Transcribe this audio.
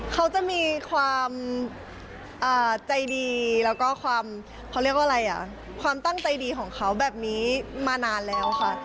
เขาจะมีความใจดีแล้วก็ความตั้งใจดีของเขาแบบนี้มานานแล้วค่ะ